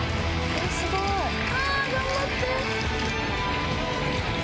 すごい！頑張って！